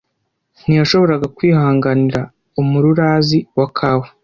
Ntiyashoboraga kwihanganira umururazi wa kawa.